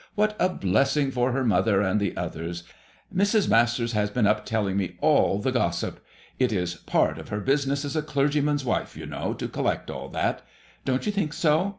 What a blessing for her mother and the others! Mrs. Masters has been up telling me all the gossip. It is part of her business as a clergyman's wife, you know, to collect all that. Don't you think so